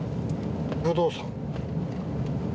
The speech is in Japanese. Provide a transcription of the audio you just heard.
不動産。